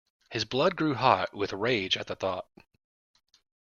His blood grew hot with rage at the thought.